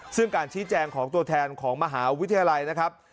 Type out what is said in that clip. ซึ่งการชี้แจงของตัวแทนของมหาวิทยาลัยนะครับ